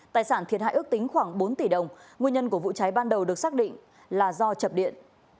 tài sản thiệt hại ước tính khoảng bốn tỷ đồng nguyên nhân của vụ cháy ban đầu được xác định là do chập điện